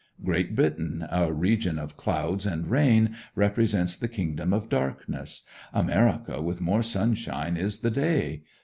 Great Britain, a region of clouds and rain, represents the Kingdom of Darkness; America, with more sunshine, is the Day.